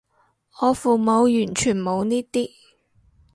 我父母完全冇呢啲